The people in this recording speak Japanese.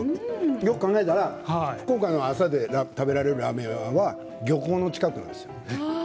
よく考えたら、福岡の朝で食べられるラーメン屋は漁港の近くなんですよ。